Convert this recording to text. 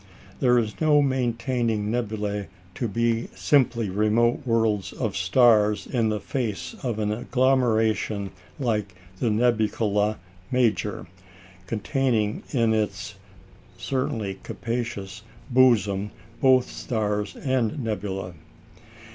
There is no maintaining nebulæ to be simply remote worlds of stars in the face of an agglomeration like the Nubecula Major, containing in its (certainly capacious) bosom both stars and nebulæ.